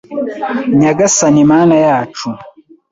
Nyagasani mana yacu